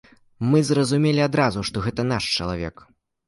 Мы зразумелі адразу, што гэта наш чалавек.